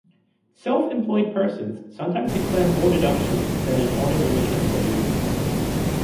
Self-employed persons sometimes declare more deductions than an ordinary employee.